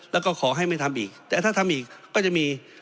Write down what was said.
แล้วก็ขอให้ไม่ทำอีกแต่ถ้าทำอีกก็จะมี